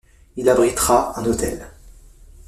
Il abritera un hôtel.